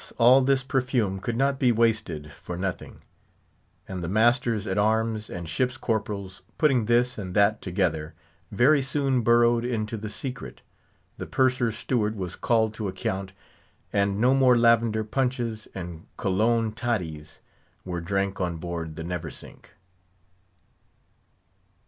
all this perfume could not be wasted for nothing; and the masters at arms and ship's corporals, putting this and that together, very soon burrowed into the secret. The purser's steward was called to account, and no more lavender punches and Cologne toddies were drank on board the Neversink.